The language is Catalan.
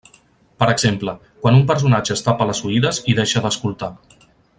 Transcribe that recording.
Per exemple, quan un personatge es tapa les oïdes i deixa d'escoltar.